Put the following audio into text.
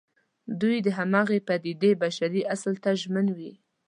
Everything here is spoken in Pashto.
دوی د همغې پدېدې بشري اصل ته ژمن وي.